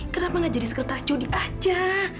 kenapa nggak jadi sekretaris jodi aja